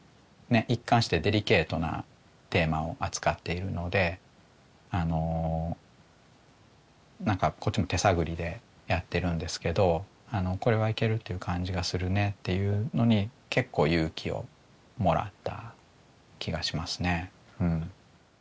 一貫してデリケートなテーマを扱っているのであの何かこっちも手探りでやってるんですけど「これはいけるっていう感じがするね」っていうのに結構勇気をもらった気がしますね。